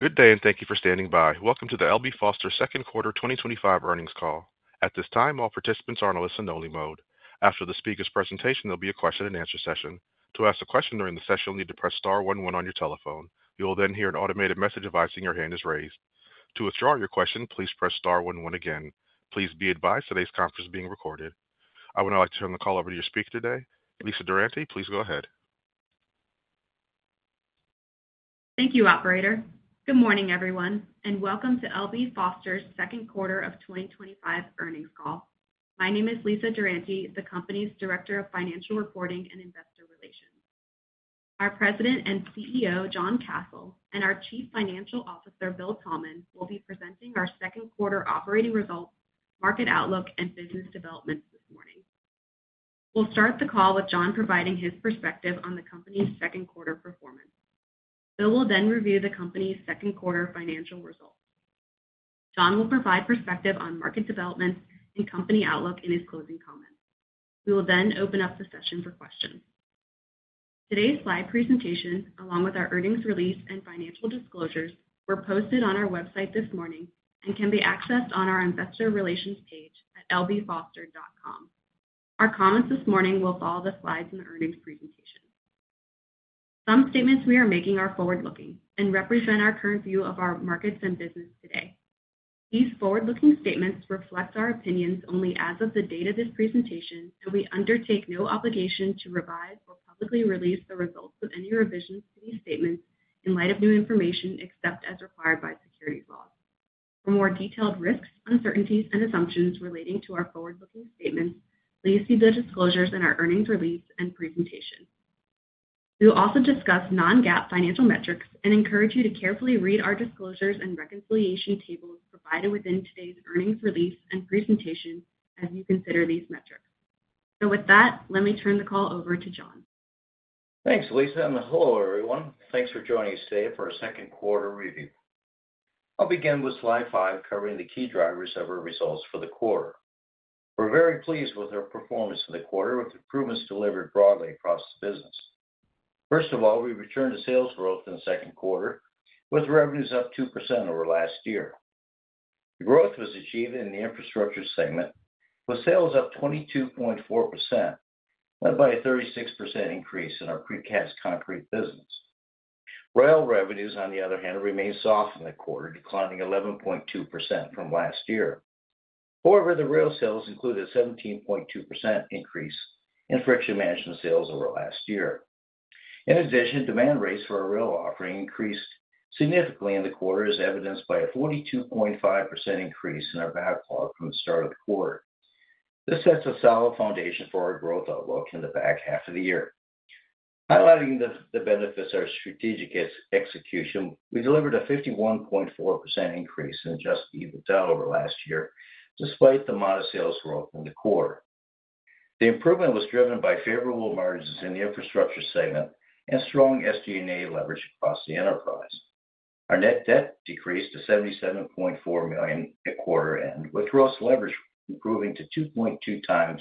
Good day and thank you for standing by. Welcome to the L.B. Foster Second Quarter 2025 Earnings Call. At this time, all participants are in a listen-only mode. After the speaker's presentation, there'll be a question-and-answer session. To ask a question during the session, you'll need to press Star, one, one on your telephone. You will then hear an automated message advising your hand is raised. To withdraw your question, please press Star, one, one again. Please be advised today's conference is being recorded. I would now like to turn the call over to your speaker today, Lisa Durante. Please go ahead. Thank you, Operator. Good morning, everyone, and welcome to L.B. Foster's Second Quarter of 2025 Earnings Call. My name is Lisa Durante, the company's Director of Financial Reporting and Investor Relations. Our President and CEO, John Kasel, and our Chief Financial Officer, Bill Thalman, will be presenting our second quarter operating results, market outlook, and business developments this morning. We'll start the call with John providing his perspective on the company's second quarter performance. William will then review the company's second quarter financial results. John will provide perspective on market developments and company outlook in his closing comments. We will then open up the session for questions. Today's slide presentation, along with our earnings release and financial disclosures, were posted on our website this morning and can be accessed on our Investor Relations page at lbfoster.com. Our comments this morning will follow the slides in the earnings presentation. Some statements we are making are forward-looking and represent our current view of our markets and business today. These forward-looking statements reflect our opinions only as of the date of this presentation, and we undertake no obligation to revise or publicly release the results of any revisions to these statements in light of new information except as required by securities laws. For more detailed risks, uncertainties, and assumptions relating to our forward-looking statements, please see the disclosures in our earnings release and presentation. We will also discuss non-GAAP financial metrics and encourage you to carefully read our disclosures and reconciliation tables provided within today's earnings release and presentation as you consider these metrics. With that, let me turn the call over to John. Thanks, Lisa, and Mahoor, everyone. Thanks for joining us today for our second quarter review. I'll begin with slide five covering the key drivers of our results for the quarter. We're very pleased with our performance for the quarter, with improvements delivered broadly across the business. First of all, we returned to sales growth in the second quarter with revenues up 2% over last year. The growth was achieved in the infrastructure segment, with sales up 22.4%, led by a 36% increase in our precast concrete business. Rail revenues, on the other hand, remained soft in the quarter, declining 11.2% from last year. However, the rail sales included a 17.2% increase in friction management sales over last year. In addition, demand rates for our rail offering increased significantly in the quarter, as evidenced by a 42.5% increase in our backlog from the start of the quarter. This sets a solid foundation for our growth outlook in the back half of the year. Highlighting the benefits of our strategic execution, we delivered a 51.4% increase in adjusted EBITDA over last year, despite the modest sales growth in the quarter. The improvement was driven by favorable margins in the infrastructure segment and strong SG&A leverage across the enterprise. Our net debt decreased to $77.4 million at quarter end, with gross leverage improving to 2.2x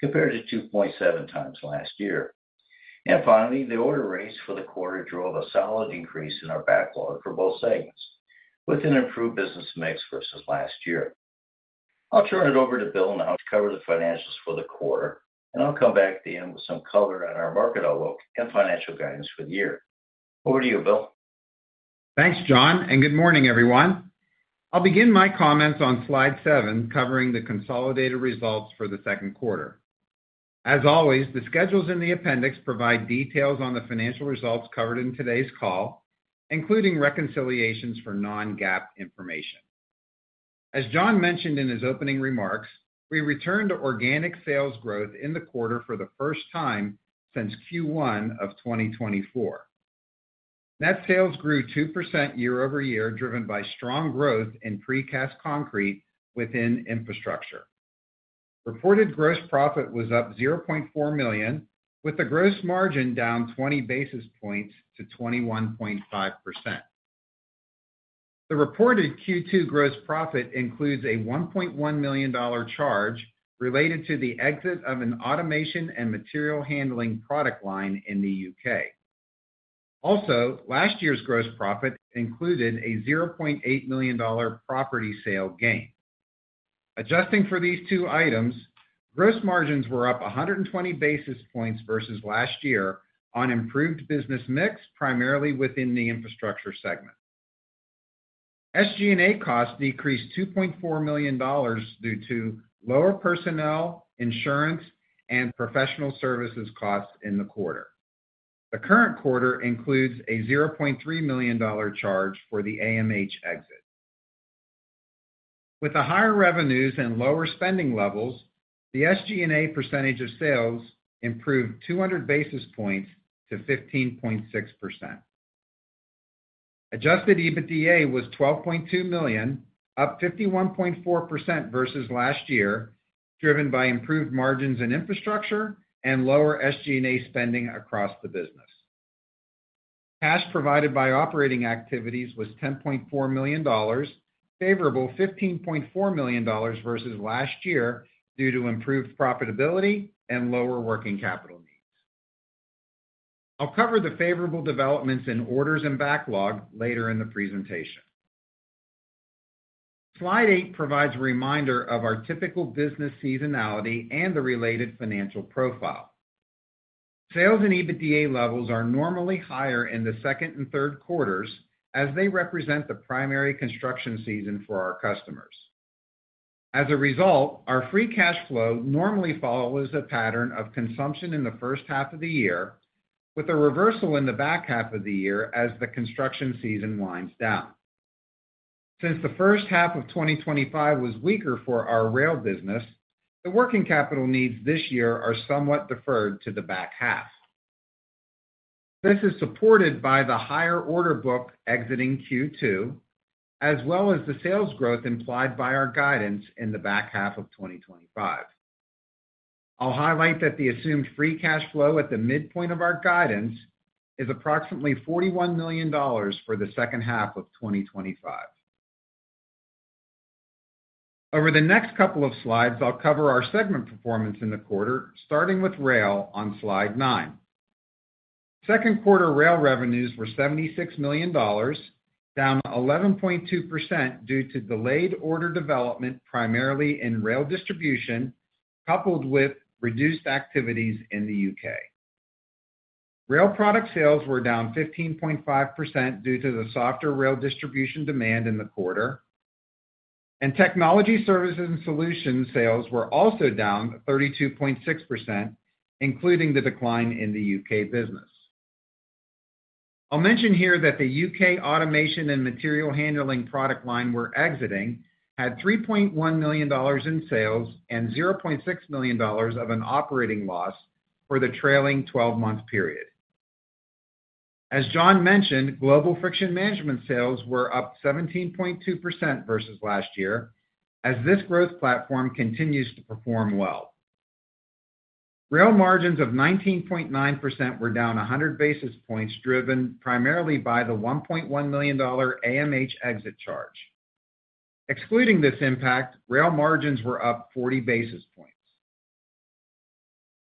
compared to 2.7x llast year. Finally, the order rates for the quarter drove a solid increase in our backlog for both segments, with an improved business mix versus last year. I'll turn it over to Bill now to cover the financials for the quarter, and I'll come back at the end with some color on our market outlook and financial guidance for the year. Over to you, Bill. Thanks, John, and good morning, everyone. I'll begin my comments on slide seven covering the consolidated results for the second quarter. As always, the schedules in the appendix provide details on the financial results covered in today's call, including reconciliations for non-GAAP information. As John mentioned in his opening remarks, we returned to organic sales growth in the quarter for the first time since Q1 of 2024. Net sales grew 2% year-over-year, driven by strong growth in precast concrete within infrastructure. Reported gross profit was up $0.4 million, with the gross margin down 20 basis points to 21.5%. The reported Q2 gross profit includes a $1.1 million charge related to the exit of an automation and material handling product line in the U.K. Also, last year's gross profit included a $0.8 million property sale gain. Adjusting for these two items, gross margins were up 120 basis points versus last year on improved business mix, primarily within the infrastructure segment. SG&A costs decreased $2.4 million due to lower personnel, insurance, and professional services costs in the quarter. The current quarter includes a $0.3 million charge for the AMH exit. With the higher revenues and lower spending levels, the SG&A percentage of sales improved 200 basis points to 15.6%. Adjusted EBITDA was $12.2 million, up 51.4% versus last year, driven by improved margins in infrastructure and lower SG&A spending across the business. Cash provided by operating activities was $10.4 million, favorable $15.4 million versus last year due to improved profitability and lower working capital needs. I'll cover the favorable developments in orders and backlog later in the presentation. Slide eight provides a reminder of our typical business seasonality and the related financial profile. Sales and EBITDA levels are normally higher in the second and third quarters, as they represent the primary construction season for our customers. As a result, our free cash flow normally follows a pattern of consumption in the first half of the year, with a reversal in the back half of the year as the construction season winds down. Since the first half of 2025 was weaker for our rail business, the working capital needs this year are somewhat deferred to the back half. This is supported by the higher order book exiting Q2, as well as the sales growth implied by our guidance in the back half of 2025. I'll highlight that the assumed free cash flow at the midpoint of our guidance is approximately $41 million for the second half of 2025. Over the next couple of slides, I'll cover our segment performance in the quarter, starting with rail on slide nine. Second quarter rail revenues were $76 million, down 11.2% due to delayed order development primarily in rail distribution, coupled with reduced activities in the U.K. Rail product sales were down 15.5% due to the softer rail distribution demand in the quarter, and technology services and solutions sales were also down 32.6%, including the decline in the U.K. business. I'll mention here that the U.K. automation and material handling product line we're exiting had $3.1 million in sales and $0.6 million of an operating loss for the trailing 12-month period. As John mentioned, global friction management sales were up 17.2% versus last year, as this growth platform continues to perform well. Rail margins of 19.9% were down 100 basis points, driven primarily by the $1.1 million AMH exit charge. Excluding this impact, rail margins were up 40 basis points.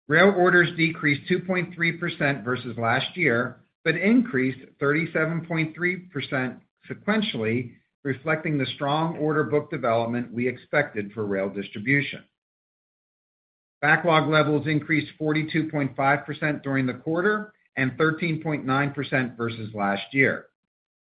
Rail orders decreased 2.3% versus last year, but increased 37.3% sequentially, reflecting the strong order book development we expected for rail distribution. Backlog levels increased 42.5% during the quarter and 13.9% versus last year.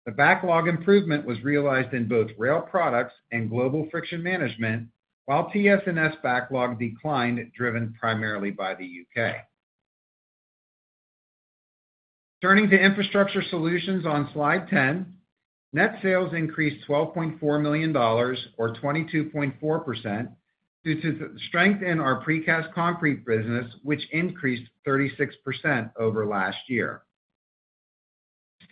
The backlog improvement was realized in both rail products and global friction management, while TS&S backlog declined, driven primarily by the U.K. Turning to infrastructure solutions on slide 10, net sales increased $12.4 million, or 22.4%, due to the strength in our precast concrete business, which increased 36% over last year.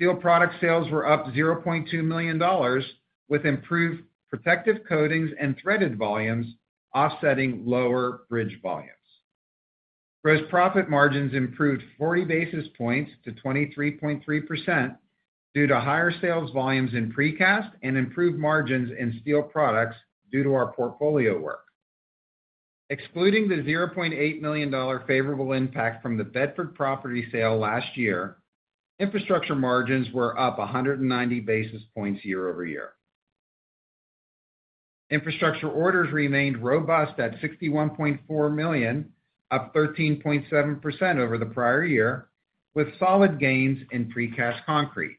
Steel product sales were up $0.2 million, with improved protective coatings and threaded volumes offsetting lower bridge volumes. Gross profit margins improved 40 basis points to 23.3% due to higher sales volumes in precast and improved margins in steel products due to our portfolio work. Excluding the $0.8 million favorable impact from the Bedford property sale last year, infrastructure margins were up 190 basis points year-over-year. Infrastructure orders remained robust at $61.4 million, up 13.7% over the prior year, with solid gains in precast concrete.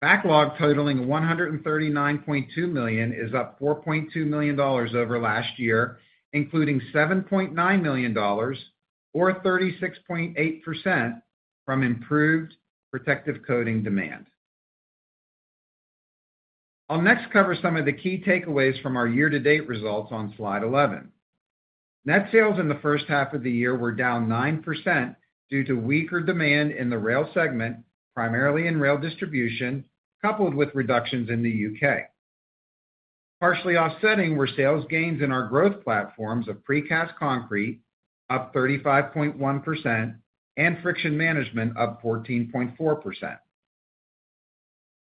Backlog totaling $139.2 million is up $4.2 million over last year, including $7.9 million, or 36.8% from improved protective coating demand. I'll next cover some of the key takeaways from our year-to-date results on slide 11. Net sales in the first half of the year were down 9% due to weaker demand in the rail segment, primarily in rail distribution, coupled with reductions in the U.K. Partially offsetting were sales gains in our growth platforms of precast concrete, up 35.1%, and friction management, up 14.4%.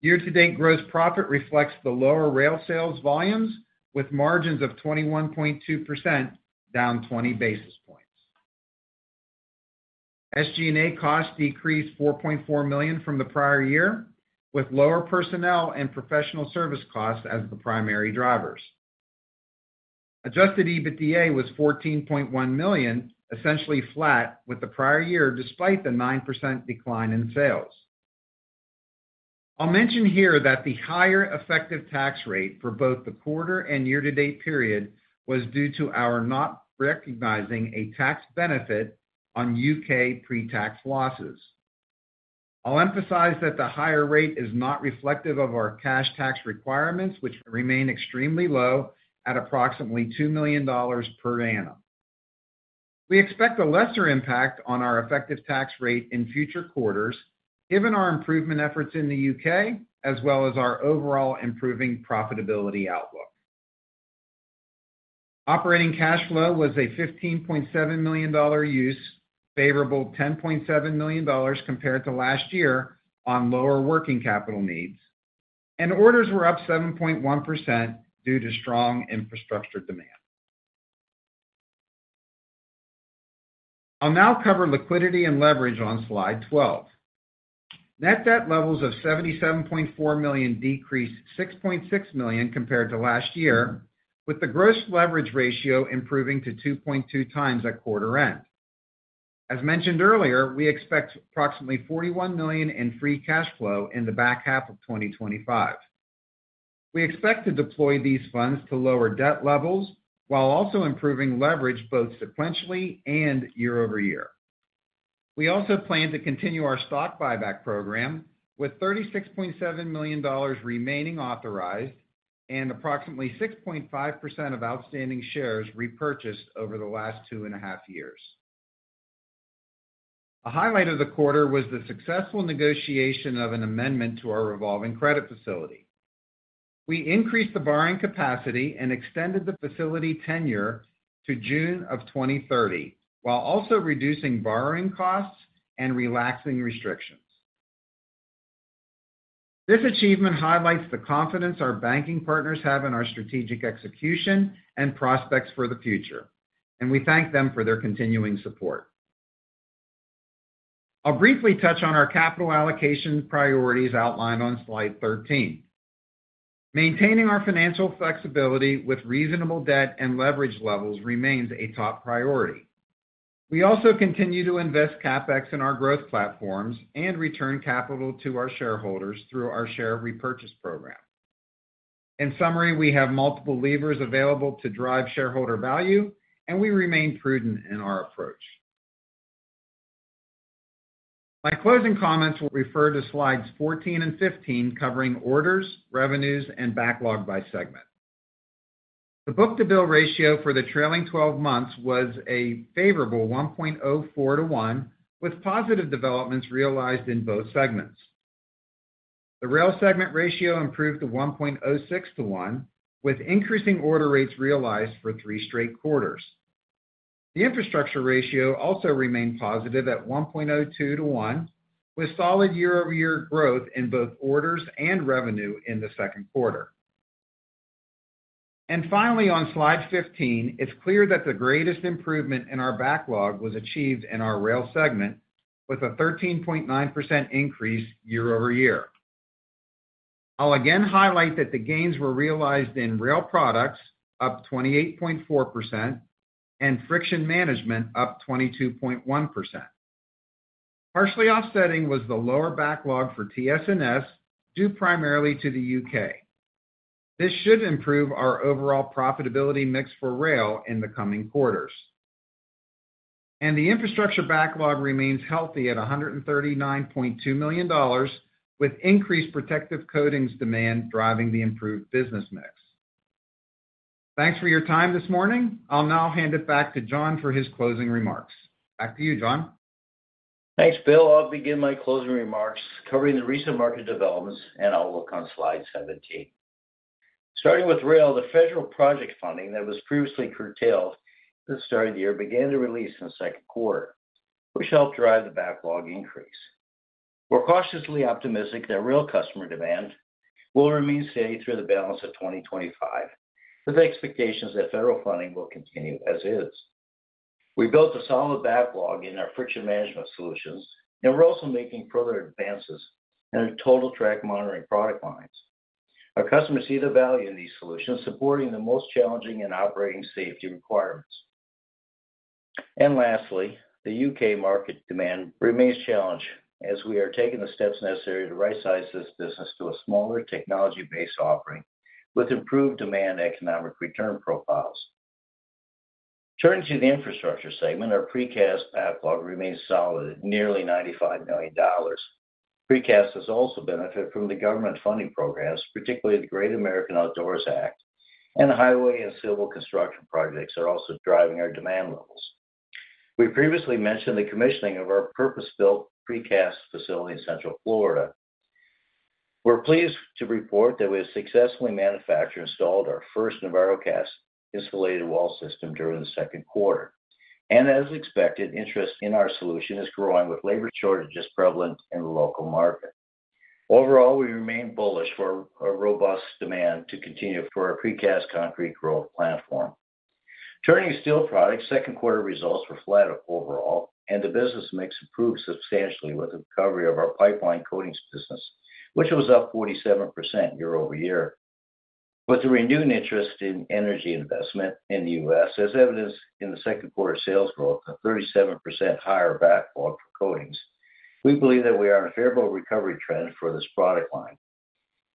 Year-to-date gross profit reflects the lower rail sales volumes, with margins of 21.2%, down 20 basis points. SG&A costs decreased $4.4 million from the prior year, with lower personnel and professional service costs as the primary drivers. Adjusted EBITDA was $14.1 million, essentially flat with the prior year, despite the 9% decline in sales. I'll mention here that the higher effective tax rate for both the quarter and year-to-date period was due to our not recognizing a tax benefit on U.K. pre-tax losses. I'll emphasize that the higher rate is not reflective of our cash tax requirements, which remain extremely low at approximately $2 million per annum. We expect a lesser impact on our effective tax rate in future quarters, given our improvement efforts in the U.K., as well as our overall improving profitability outlook. Operating cash flow was a $15.7 million use, favorable $10.7 million compared to last year on lower working capital needs, and orders were up 7.1% due to strong infrastructure demand. I'll now cover liquidity and leverage on slide 12. Net debt levels of $77.4 million decreased $6.6 million compared to last year, with the gross leverage ratio improving to 2.2x at quarter end. As mentioned earlier, we expect approximately $41 million in free cash flow in the back half of 2025. We expect to deploy these funds to lower debt levels while also improving leverage both sequentially and year-over-year. We also plan to continue our stock buyback program, with $36.7 million remaining authorized and approximately 6.5% of outstanding shares repurchased over the last two and a half years. A highlight of the quarter was the successful negotiation of an amendment to our revolving credit facility. We increased the borrowing capacity and extended the facility tenure to June of 2030, while also reducing borrowing costs and relaxing restrictions. This achievement highlights the confidence our banking partners have in our strategic execution and prospects for the future, and we thank them for their continuing support. I'll briefly touch on our capital allocation priorities outlined on slide 13. Maintaining our financial flexibility with reasonable debt and leverage levels remains a top priority. We also continue to invest CapEx in our growth platforms and return capital to our shareholders through our share repurchase program. In summary, we have multiple levers available to drive shareholder value, and we remain prudent in our approach. My closing comments will refer to slides 14 and 15, covering orders, revenues, and backlog by segment. The book-to-bill ratio for the trailing 12 months was a favorable 1.04-1, with positive developments realized in both segments. The rail segment ratio improved to 1.06-1, with increasing order rates realized for three straight quarters. The infrastructure ratio also remained positive at 1.02-1, with solid year-over-year growth in both orders and revenue in the second quarter. Finally, on slide 15, it's clear that the greatest improvement in our backlog was achieved in our rail segment, with a 13.9% increase year-over-year. I'll again highlight that the gains were realized in Rail Products, up 28.4%, and friction management, up 22.1%. Partially offsetting was the lower backlog for TS&S, due primarily to the U.K. This should improve our overall profitability mix for rail in the coming quarters. The infrastructure backlog remains healthy at $139.2 million, with increased Protective Coatings demand driving the improved business mix. Thanks for your time this morning. I'll now hand it back to John for his closing remarks. Back to you, John. Thanks, Bill. I'll begin my closing remarks covering the recent market developments and outlook on slide 17. Starting with rail, the federal project funding that was previously curtailed at the start of the year began to release in the second quarter, which helped drive the backlog increase. We're cautiously optimistic that rail customer demand will remain steady through the balance of 2025, with expectations that federal funding will continue as is. We built a solid backlog in our friction management solutions, and we're also making further advances in our Total Track Monitoring product lines. Our customers see the value in these solutions, supporting the most challenging and operating safety requirements. Lastly, the U.K. market demand remains challenging, as we are taking the steps necessary to right-size this business to a smaller technology-based offering with improved demand and economic return profiles. Turning to the infrastructure segment, our precast backlog remains solid at nearly $95 million. Precast has also benefited from the government funding programs, particularly the Great American Outdoors Act, and highway and civil construction projects that are also driving our demand levels. We previously mentioned the commissioning of our purpose-built precast facility in Central Florida. We're pleased to report that we have successfully manufactured and installed our first NevarroCast insulated wall system during the second quarter. As expected, interest in our solution is growing, with labor shortages prevalent in the local market. Overall, we remain bullish for a robust demand to continue for our precast concrete growth platform. Turning to steel products, second quarter results were flat overall, and the business mix improved substantially with the recovery of our pipeline coatings business, which was up 47% year-over-year. With the renewed interest in energy investment in the U.S., as evidenced in the second quarter sales growth, a 37% higher backlog for coatings, we believe that we are in a favorable recovery trend for this product line.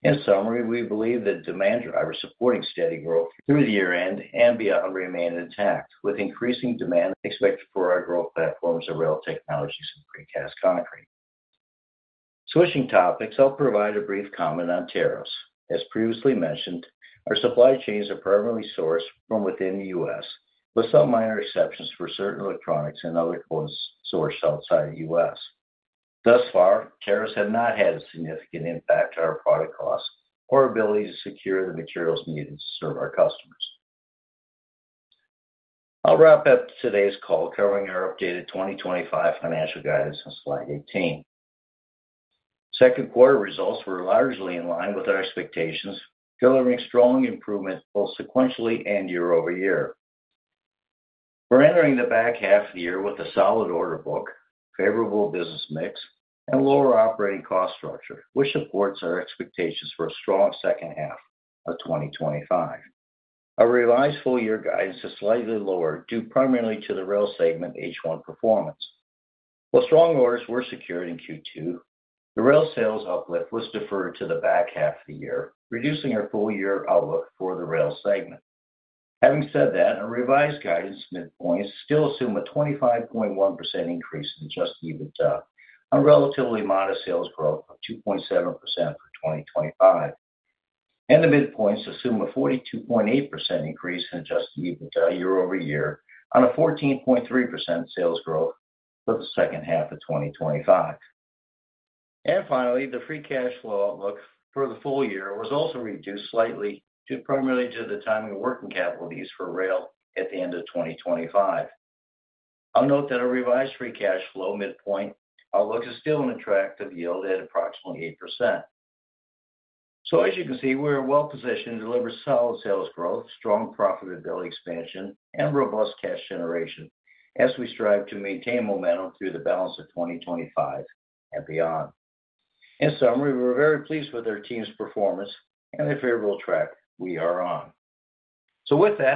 In summary, we believe that demand drivers supporting steady growth through the year-end and beyond remain intact, with increasing demand expected for our growth platforms of rail technologies and precast concrete. Switching topics, I'll provide a brief comment on tariffs. As previously mentioned, our supply chains are primarily sourced from within the U.S., with some minor exceptions for certain electronics and other components sourced outside the U.S. Thus far, tariffs have not had a significant impact on our product costs or ability to secure the materials needed to serve our customers. I'll wrap up today's call covering our updated 2025 financial guidance on slide 18. Second quarter results were largely in line with our expectations, delivering strong improvements both sequentially and year-over-year. We're entering the back half of the year with a solid order book, favorable business mix, and lower operating cost structure, which supports our expectations for a strong second half of 2025. Our revised full-year guidance is slightly lower due primarily to the rail segment H1 performance. While strong orders were secured in Q2, the rail sales outlook was deferred to the back half of the year, reducing our full-year outlook for the rail segment. Having said that, our revised guidance midpoint still assumes a 25.1% increase in adjusted EBITDA on relatively modest sales growth of 2.7% for 2025. The midpoints assume a 42.8% increase in adjusted EBITDA year-over-year on a 14.3% sales growth for the second half of 2025. Finally, the free cash flow outlook for the full year was also reduced slightly, primarily due to the timing of working capital needs for rail at the end of 2025. I'll note that our revised free cash flow midpoint outlook is still in a track of yield at approximately 8%. As you can see, we're well positioned to deliver solid sales growth, strong profitability expansion, and robust cash generation as we strive to maintain momentum through the balance of 2025 and beyond. In summary, we're very pleased with our team's performance and the favorable track we are on.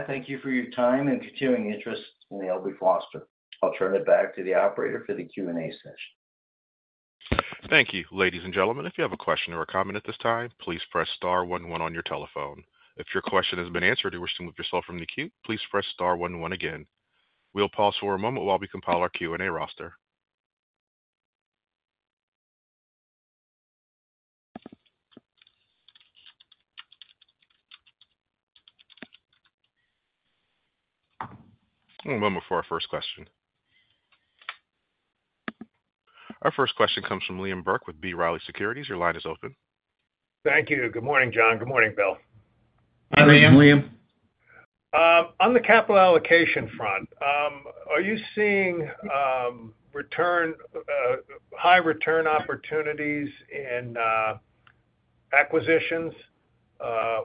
Thank you for your time and continuing interest in L.B. Foster. I'll turn it back to the operator for the Q&A session. Thank you, ladies and gentlemen. If you have a question or a comment at this time, please press Star, one, one on your telephone. If your question has been answered and you wish to move yourself from the queue, please press Star, one, one again. We'll pause for a moment while we compile our Q&A roster. One moment for our first question. Our first question comes from Liam Burke with B. Riley Securities. Your line is open. Thank you. Good morning, John. Good morning, Will. Hi, Liam. Hi Liam. On the capital allocation front, are you seeing high return opportunities in acquisitions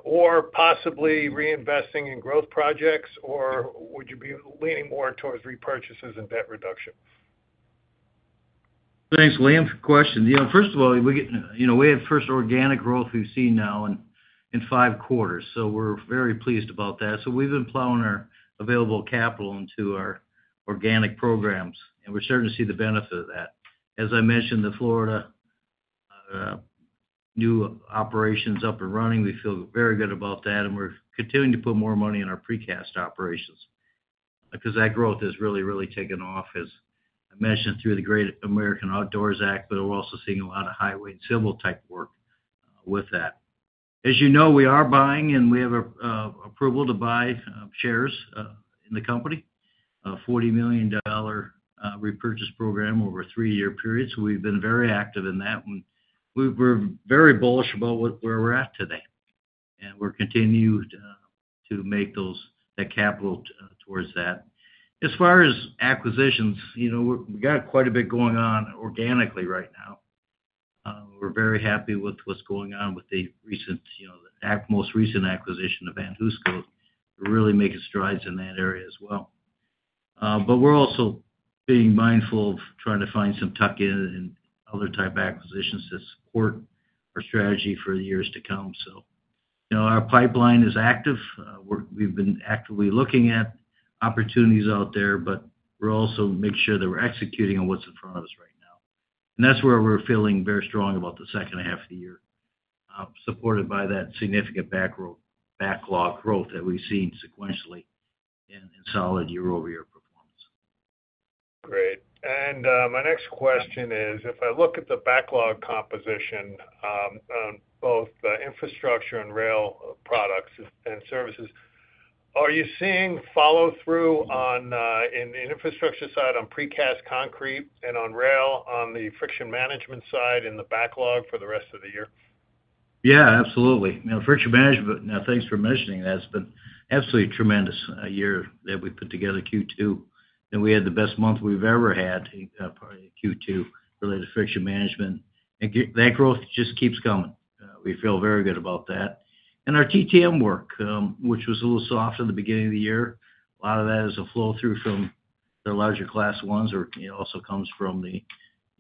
or possibly reinvesting in growth projects, or would you be leaning more towards repurchases and debt reduction? Thanks, Liam, for the question. First of all, we're getting, you know, we have the first organic growth we've seen now in five quarters, so we're very pleased about that. We've been plowing our available capital into our organic programs, and we're starting to see the benefit of that. As I mentioned, the Central Florida new operation is up and running. We feel very good about that, and we're continuing to put more money in our precast operations because that growth has really, really taken off, as I mentioned, through the Great American Outdoors Act. We're also seeing a lot of highway and civil type work with that. As you know, we are buying, and we have approval to buy shares in the company, a $40 million repurchase program over a three-year period. We've been very active in that, and we're very bullish about where we're at today, and we'll continue to make that capital towards that. As far as acquisitions, we've got quite a bit going on organically right now. We're very happy with what's going on with the most recent acquisition of VanHooseCo really making strides in that area as well. We're also being mindful of trying to find some tuck-in and other type acquisitions to support our strategy for the years to come. Our pipeline is active. We've been actively looking at opportunities out there, but we're also making sure that we're executing on what's in front of us right now. That's where we're feeling very strong about the second half of the year, supported by that significant backlog growth that we've seen sequentially and in solid year-over-year performance. Great. My next question is, if I look at the backlog composition on both the infrastructure and rail products and services, are you seeing follow-through on the infrastructure side, on precast concrete, and on rail on the friction management side in the backlog for the rest of the year? Yeah, absolutely. You know, friction management, now thanks for mentioning that, it's been absolutely a tremendous year that we put together Q2. We had the best month we've ever had, part of the Q2 related to friction management. That growth just keeps coming. We feel very good about that. Our TTM work, which was a little soft in the beginning of the year, a lot of that is a flow-through from the larger class ones, or it also comes from the, you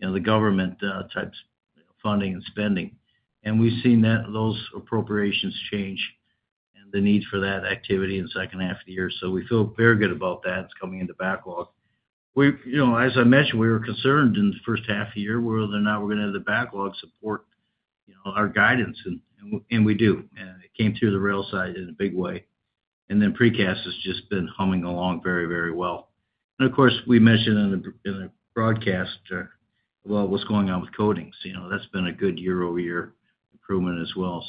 know, the government types of funding and spending. We've seen those appropriations change and the need for that activity in the second half of the year. We feel very good about that. It's coming into backlog. As I mentioned, we were concerned in the first half of the year whether or not we're going to have the backlog support, you know, our guidance, and we do. It came through the rail side in a big way. Precast has just been humming along very, very well. Of course, we mentioned in the broadcast about what's going on with coatings. That's been a good year-over-year improvement as well.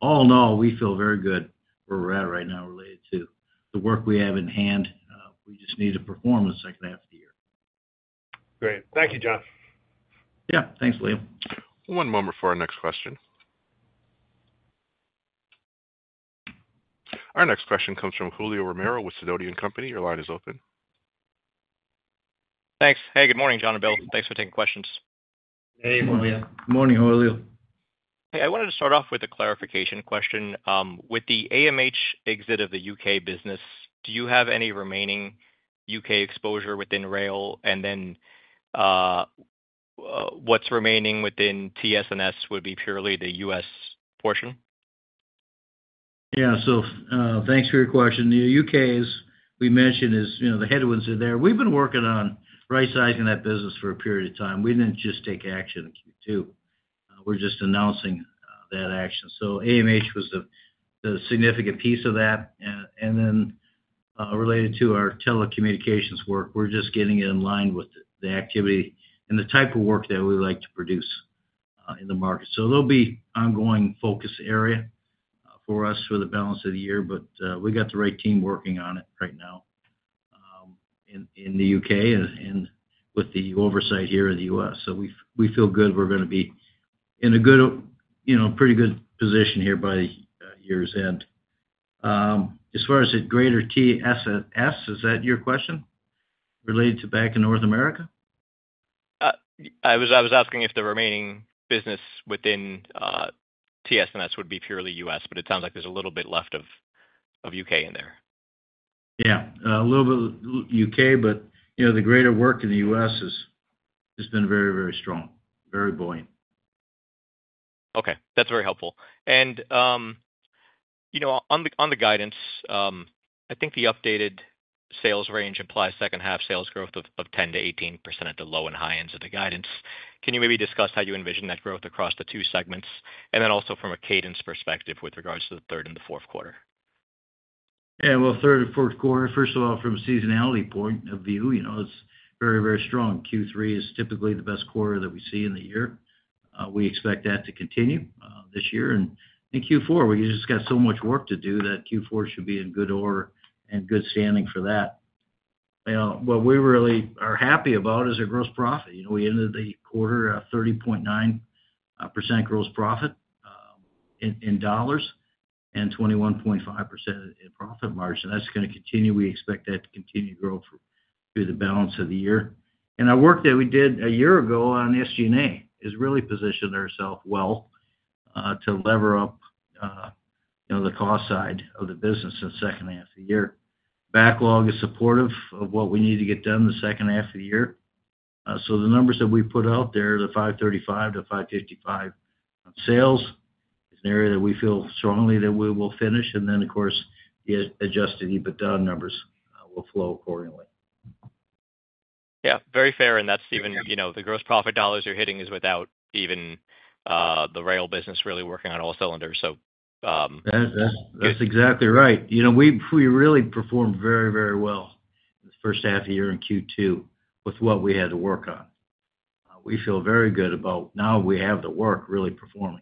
All in all, we feel very good where we're at right now related to the work we have in hand. We just need to perform in the second half of the year. Great, thank you, John. Yeah, thanks, Liam. One moment for our next question. Our next question comes from Julio Romero with Sidoti & Company. Your line is open. Thanks. Hey, good morning, John and Bill. Thanks for taking questions. Hey, Julio. Good morning, Julio. Hey, I wanted to start off with a clarification question. With the AMH exit of the U.K. business, do you have any remaining U.K. exposure within rail? What's remaining within TS&S would be purely the U.S. portion? Yeah, thanks for your question. The U.K., as we mentioned, the headwinds are there. We've been working on right-sizing that business for a period of time. We didn't just take action in Q2. We're just announcing that action. AMH was a significant piece of that. Then related to our telecommunications work, we're just getting it in line with the activity and the type of work that we like to produce in the market. It'll be an ongoing focus area for us for the balance of the year. We got the right team working on it right now in the U.K. and with the oversight here in the U.S. We feel good we're going to be in a pretty good position here by the year's end. As far as the greater TS&S, is that your question related to back in North America? I was asking if the remaining business within TS&S would be purely U.S., but it sounds like there's a little bit left of U.K. in there. Yeah, a little bit of U.K., but you know the greater work in the U.S. has been very, very strong, very buoyant. Okay, that's very helpful. On the guidance, I think the updated sales range implies second half sales growth of 10%-18% at the low and high ends of the guidance. Can you maybe discuss how you envision that growth across the two segments, and also from a cadence perspective with regards to the third and the fourth quarter? Yeah, third and fourth quarter, first of all, from a seasonality point of view, you know, it's very, very strong. Q3 is typically the best quarter that we see in the year. We expect that to continue this year. In Q4, we just got so much work to do that Q4 should be in good order and good standing for that. You know, what we really are happy about is our gross profit. You know, we ended the quarter at 30.9% gross profit in dollars and 21.5% in profit margin. That's going to continue. We expect that to continue to grow through the balance of the year. Our work that we did a year ago on SG&A has really positioned ourselves well to lever up, you know, the cost side of the business in the second half of the year. Backlog is supportive of what we need to get done in the second half of the year. The numbers that we put out there, the $535 million-$555 million sales, is an area that we feel strongly that we will finish. Of course, the adjusted EBITDA numbers will flow accordingly. Yeah, very fair. That's even, you know, the gross profit dollars you're hitting is without even the rail business really working on all cylinders. That's exactly right. We really performed very, very well in the first half of the year in Q2 with what we had to work on. We feel very good about now we have the work really performing.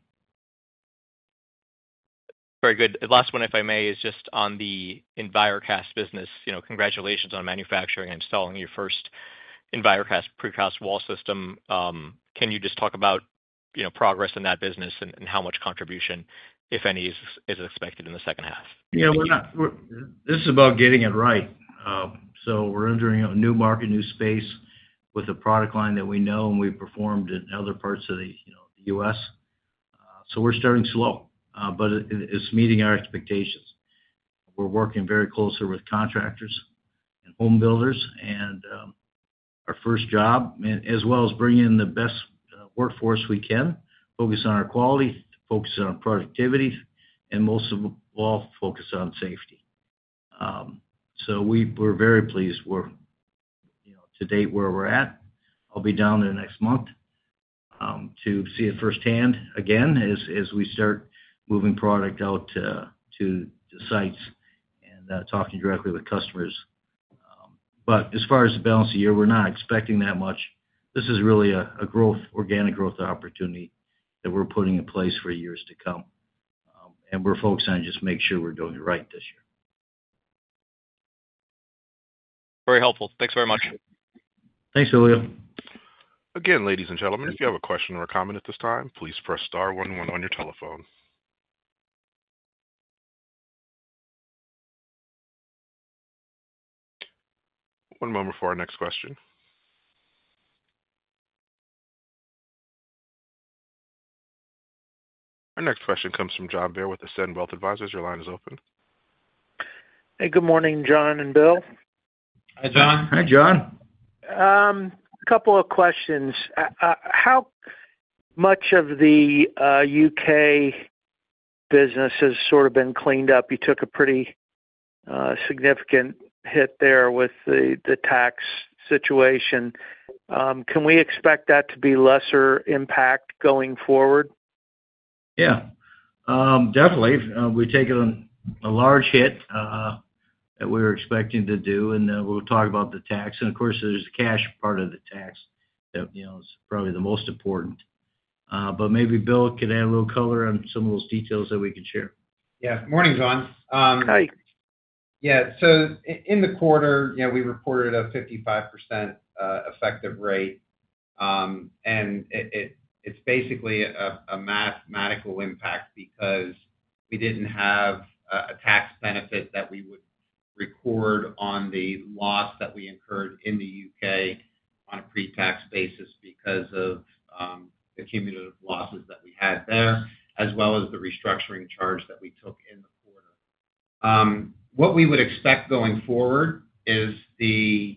Very good. The last one, if I may, is just on the EnviroCast business. Congratulations on manufacturing and installing your first Envirocast precast wall system. Can you just talk about progress in that business and how much contribution, if any, is expected in the second half? Yeah, we're not, this is about getting it right. We're entering a new market, new space with a product line that we know and we performed in other parts of the U.S. We're starting slow, but it's meeting our expectations. We're working very closely with contractors and home builders and our first job, as well as bringing in the best workforce we can, focusing on our quality, focusing on productivity, and most of all, focusing on safety. We're very pleased, you know, to date where we're at. I'll be down there next month to see it firsthand again as we start moving product out to the sites and talking directly with customers. As far as the balance of the year, we're not expecting that much. This is really a growth, organic growth opportunity that we're putting in place for years to come. We're focused on just making sure we're doing it right this year. Very helpful. Thanks very much. Thanks, Julio. Again, ladies and gentlemen, if you have a question or a comment at this time, please press Star, one, one on your telephone. One moment for our next question. Our next question comes from John Bair with Ascend Wealth Advisors. Your line is open. Hey, good morning, John and Bill. Hi, John. Hi, John. A couple of questions. How much of the U.K. business has sort of been cleaned up? You took a pretty significant hit there with the tax situation. Can we expect that to be lesser impact going forward? Yeah, definitely. We take a large hit that we were expecting to do, and we'll talk about the tax. Of course, there's the cash part of the tax that, you know, is probably the most important. Maybe Bill could add a little color on some of those details that we could share. Yeah, good morning, John. Hi. Yeah, so in the quarter, we reported a 55% effective rate. It's basically a mathematical impact because we didn't have a tax benefit that we would record on the loss that we incurred in the U.K. on a pre-tax basis because of the cumulative losses that we had there, as well as the restructuring charge that we took in the quarter. What we would expect going forward is the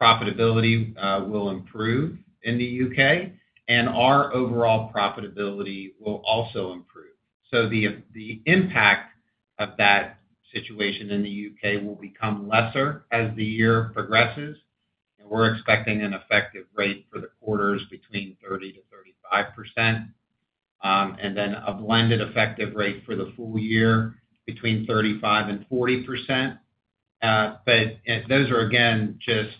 profitability will improve in the U.K., and our overall profitability will also improve. The impact of that situation in the U.K. will become lesser as the year progresses. We're expecting an effective rate for the quarters between 30-35%, and then a blended effective rate for the full year between 35% and 40%. Those are, again, just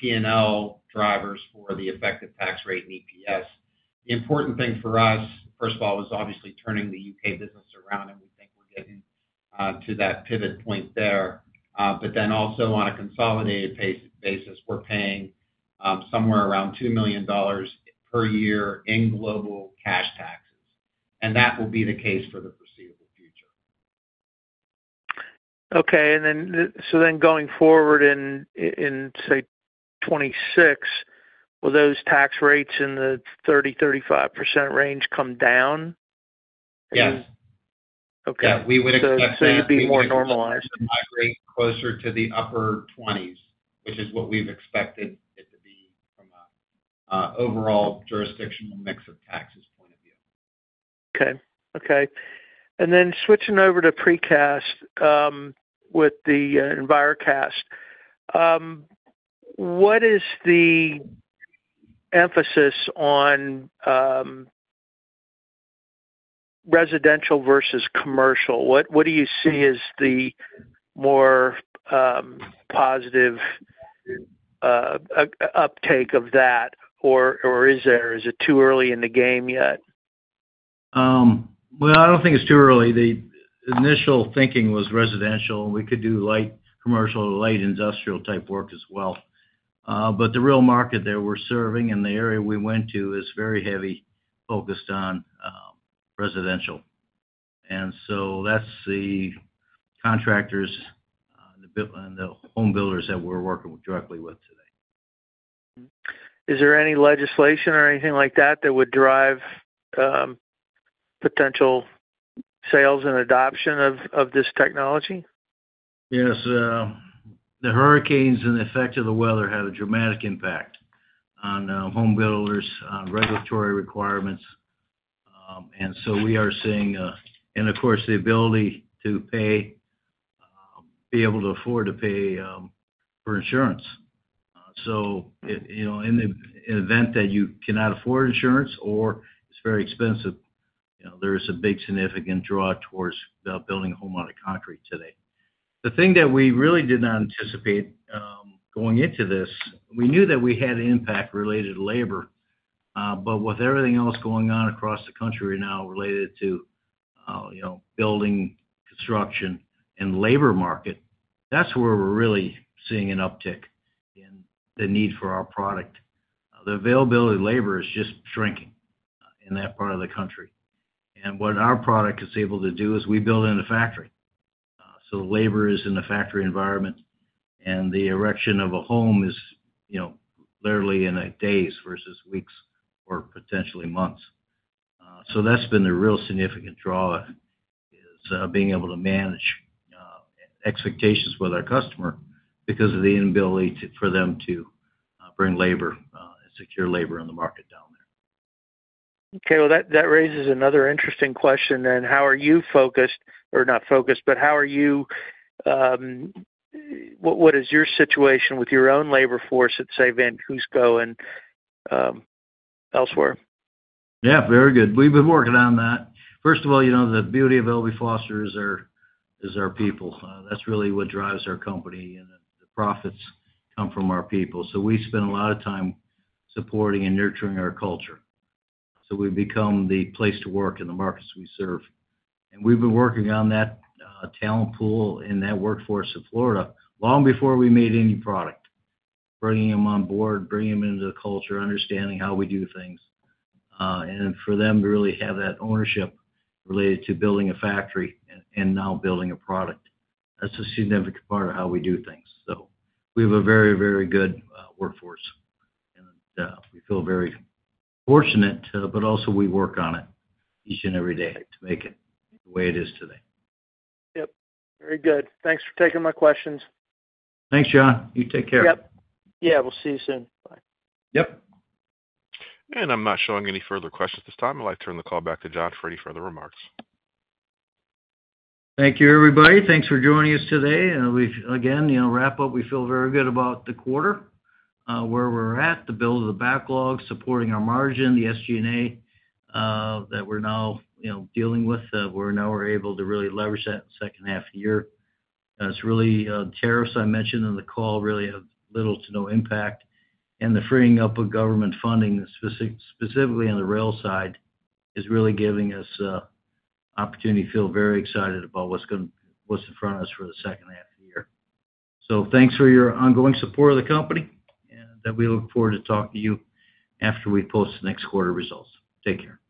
P&L drivers for the effective tax rate and EPS. The important thing for us, first of all, was obviously turning the U.K. business around, and we think we're getting to that pivot point there. Also, on a consolidated basis, we're paying somewhere around $2 million per year in global cash tax. That will be the case for the foreseeable future. Okay, going forward in, say, 2026, will those tax rates in the 30%-35% range come down? Yes. Okay. Yeah, we would expect that. You'd be more normalized. To migrate closer to the upper 20s, which is what we've expected it to be from an overall jurisdictional mix of taxes point of view. Okay. Switching over to precast with the Envirocast, what is the emphasis on residential versus commercial? What do you see as the more positive uptake of that, or is it too early in the game yet? I don't think it's too early. The initial thinking was residential, and we could do light commercial or light industrial type work as well. The real market that we're serving and the area we went to is very heavily focused on residential. That's the contractors and the home builders that we're working directly with today. Is there any legislation or anything like that that would drive potential sales and adoption of this technology? Yes, the hurricanes and the effects of the weather have a dramatic impact on home builders' regulatory requirements. We are seeing, of course, the ability to pay, be able to afford to pay for insurance. In the event that you cannot afford insurance or it's very expensive, there is a big significant draw towards building a home out of concrete today. The thing that we really did not anticipate going into this, we knew that we had an impact related to labor. With everything else going on across the country right now related to building, construction, and the labor market, that's where we're really seeing an uptick in the need for our product. The availability of labor is just shrinking in that part of the country. What our product is able to do is we build in the factory. The labor is in the factory environment, and the erection of a home is literally in days versus weeks or potentially months. That's been a real significant draw, being able to manage expectations with our customer because of the inability for them to bring labor and secure labor in the market down there. Okay, that raises another interesting question. How are you focused, or not focused, but how are you, what is your situation with your own labor force at, say, Vancusco and elsewhere? Yeah, very good. We've been working on that. First of all, you know, the beauty of L.B. Foster is our people. That's really what drives our company, and the profits come from our people. We spend a lot of time supporting and nurturing our culture. We've become the place to work in the markets we serve. We've been working on that talent pool in that workforce of Florida long before we made any product, bringing them on board, bringing them into the culture, understanding how we do things, and for them to really have that ownership related to building a factory and now building a product. That's a significant part of how we do things. We have a very, very good workforce. We feel very fortunate, but also we work on it each and every day to make it the way it is today. Yep, very good. Thanks for taking my questions. Thanks, John. You take care. Yep, yeah, we'll see you soon. Bye. Yep. I'm not showing any further questions at this time. I'd like to turn the call back to John for any further remarks. Thank you, everybody. Thanks for joining us today. We feel very good about the quarter, where we're at, the build of the backlog, supporting our margin, the SG&A that we're now dealing with, that we're now able to really leverage that second half of the year. Tariffs I mentioned in the call really have little to no impact. The freeing up of government funding, specifically on the rail side, is really giving us an opportunity to feel very excited about what's in front of us for the second half of the year. Thanks for your ongoing support of the company, and we look forward to talking to you after we post the next quarter results. Take care.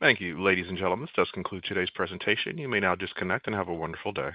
Thank you, ladies and gentlemen. This does conclude today's presentation. You may now disconnect and have a wonderful day.